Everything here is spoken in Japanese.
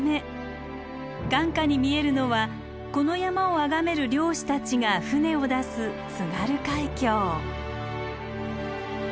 眼下に見えるのはこの山を崇める漁師たちが船を出す津軽海峡。